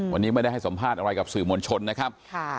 วันนี้ไม่ได้ให้สัมภาษณ์อะไรกับสื่อมวลชนนะครับ